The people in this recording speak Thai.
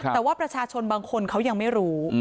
แต่ว่าประชาชนบางคนเขายังไม่รู้